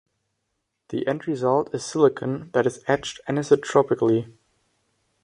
The end result is silicon that is etched anisotropically.